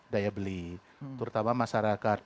daya beli terutama masyarakat